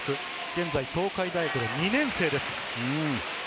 現在、東海大学の２年生です。